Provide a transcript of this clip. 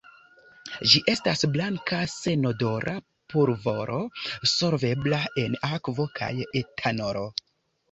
Ĝi estas blanka senodora pulvoro solvebla en akvo kaj etanolo.